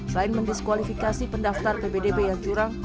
selain mendiskualifikasi pendaftar ppdb yang curang